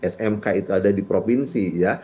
smk itu ada di provinsi ya